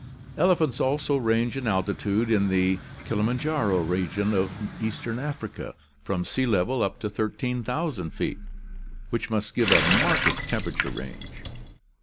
Elephants also range in altitude in the Kilimanjaro region of eastern Africa from sea level up to 13,000 feet, which must give a marked temperature range.